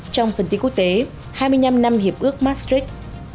trong phần tính quốc tế hai mươi năm năm hiệp ước maastricht